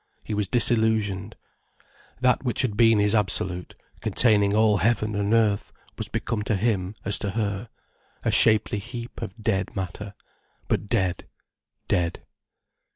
He was disillusioned. That which had been his absolute, containing all heaven and earth, was become to him as to her, a shapely heap of dead matter—but dead, dead.